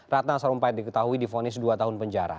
ratna sarumpait diketahui di ponis dua tahun penjara